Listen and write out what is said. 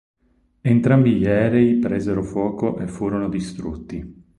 Entrambi gli aerei presero fuoco e furono distrutti.